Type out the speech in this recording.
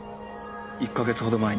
１か月ほど前に。